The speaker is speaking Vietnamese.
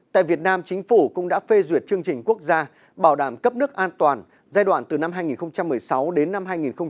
tại việt nam chính phủ cũng đã phê duyệt chương trình quốc gia bảo đảm cấp nước an toàn giai đoạn từ năm hai nghìn một mươi sáu đến năm hai nghìn hai mươi